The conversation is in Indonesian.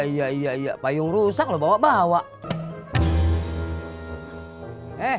kita petangin quasi